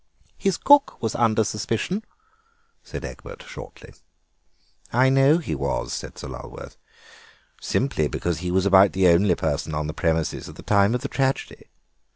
"His cook was under suspicion," said Egbert shortly. "I know he was," said Sir Lulworth, "simply because he was about the only person on the premises at the time of the tragedy.